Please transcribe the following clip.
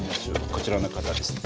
こちらの方です。